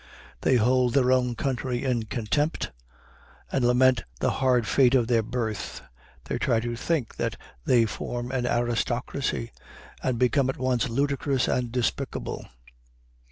They hold their own country in contempt, and lament the hard fate of their birth. They try to think that they form an aristocracy, and become at once ludicrous and despicable.